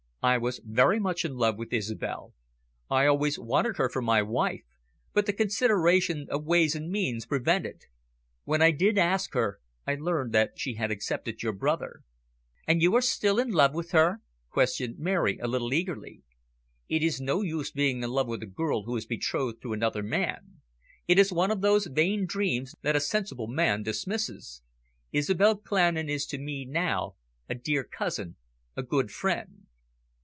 I was very much in love with Isobel. I always wanted her for my wife, but the consideration of ways and means prevented. When I did ask her, I learned that she had accepted your brother " "And you are still in love with her?" questioned Mary, a little eagerly. "It is no use being in love with a girl who is betrothed to another man. It is one of those vain dreams that a sensible man dismisses. Isobel Clandon is to me now a dear cousin, a good friend."